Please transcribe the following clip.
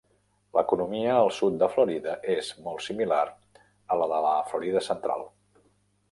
L'economia al sud de Florida és molt similar a la de Florida central.